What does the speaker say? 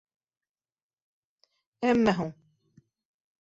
Әммә һуң...